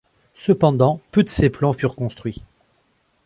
Cependant peu de ses plans furent construits.